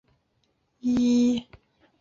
最简单的累积二烯烃是丙二烯。